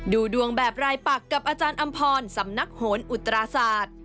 ดูดวงแบบรายปักกับอาจารย์อำพรสำนักโหนอุตราศาสตร์